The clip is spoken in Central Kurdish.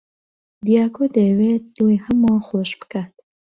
دیاکۆ دەیەوێت دڵی هەمووان خۆش بکات.